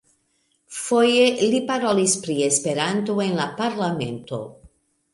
Foje li parolis pri Esperanto en la parlamento.